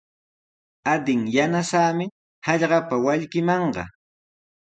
Adin yanasaami hallqapa wallkimanqa.